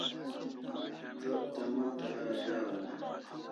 Zo't te moc tara azal'an e?